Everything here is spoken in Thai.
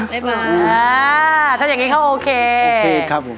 อ่าถ้าอยากกินน้ำเข้าโอเค